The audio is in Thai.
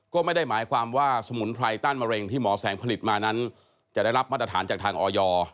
ก็ไม่ได้หมายความว่าสมุนไพรต้านมะเร็งที่หมอแสงผลิตมานั้นจะได้รับมาตรฐานจากทางออย